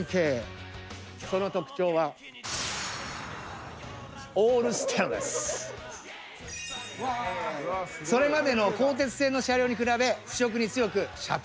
その特徴はそれまでの鋼鉄製の車両に比べ腐食に強く車体が長もちする。